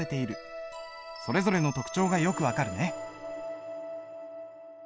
それぞれの特徴がよく分かるね。